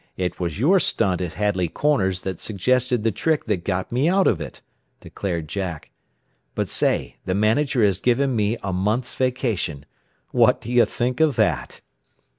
It was your stunt at Hadley Corners that suggested the trick that got me out of it," declared Jack. "But say, the manager has given me a month's vacation. What do you think of that?"